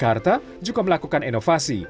pemerintah pusat juga melakukan inovasi